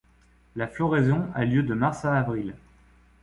La floraison a lieu de mars à avril.